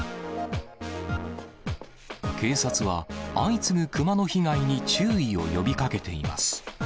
警察は相次ぐ熊の被害に注意を呼びかけています。